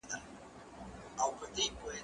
زه مخکي د کتابتوننۍ سره خبري کړي وو،